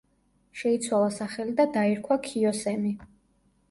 შეიცვალა სახელი და დაირქვა ქიოსემი.